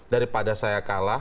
daripada saya kalah